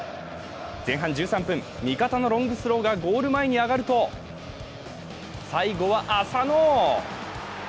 前半１３分、味方のロングスローがゴール前に上がると最後は浅野。